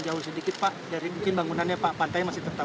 cukup ya cukup pak sih